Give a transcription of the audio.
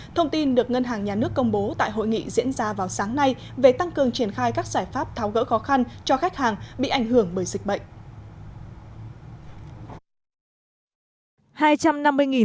thông tin được ngân hàng nhà nước công bố tại hội nghị diễn ra vào sáng nay về tăng cường triển khai các giải pháp tháo gỡ khó khăn cho khách hàng bị ảnh hưởng bởi dịch bệnh